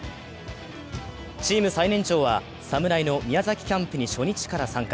チーム最年長は侍の宮崎キャンプに初日から参加。